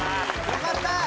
よかった！